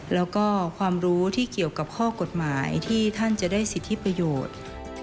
แล้วก็ความรู้ที่เกี่ยวกับข้อกฎหมายที่ท่านจะได้สิทธิประโยชน์